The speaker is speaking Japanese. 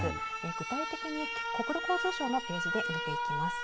具体的に国土交通省のページで見ていきます。